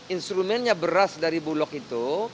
instrumennya beras dari bulog itu